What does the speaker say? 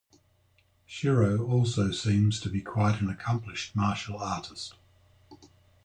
Shiro also seems to be quite an accomplished martial artist.